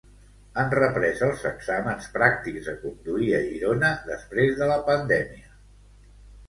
Han reprès els exàmens pràctics de conduir a Girona després de la pandèmia.